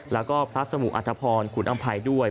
แล้วก็พระสมุอาทธพรขุนอำไพด้ด้วย